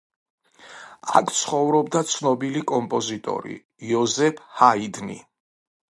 აქ ცხოვრობდა ცნობილი კომპოზიტორი იოზეფ ჰაიდნი.